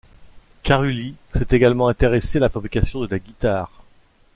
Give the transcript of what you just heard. Carulli s'est également intéressé à la fabrication de la guitare.